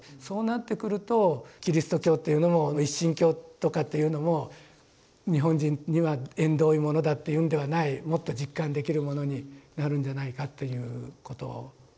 そうなってくるとキリスト教というのも一神教とかっていうのも日本人には縁遠いものだっていうんではないもっと実感できるものになるんじゃないかということを。